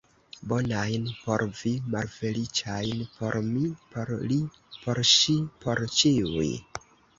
Bonajn por vi, malfeliĉajn por mi, por li, por ŝi, por ĉiuj!